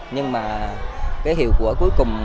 nhưng mà cái hiệu quả cuối cùng